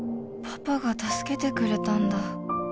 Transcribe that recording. パパが助けてくれたんだ